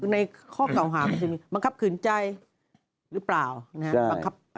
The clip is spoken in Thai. ในข้อเก่าหามันจะมีมันคับคืนใจหรือเปล่า